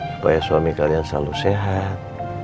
supaya suami kalian selalu sehat